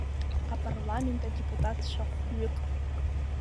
Апарламент адепутатцәа хәҩык…